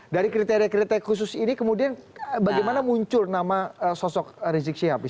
dari kriteria kriteria khusus ini kemudian bagaimana muncul nama sosok rizik syihab